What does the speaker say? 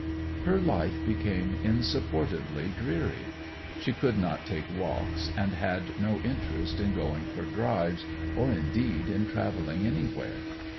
Her life became insupportably dreary; she could not take walks, and had no interest in going for drives, or, indeed, in travelling anywhere.